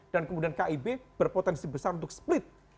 dan kemudian kib berpotensi besar untuk split